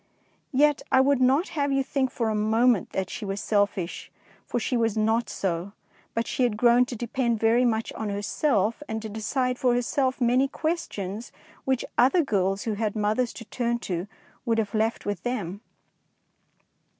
Yet I would not have you think for a mo ment that she was selfish, for she was not so ; but she had grown to depend very much on herself, and to decide for herself many questions which other girls who had mothers to turn to would have left to them.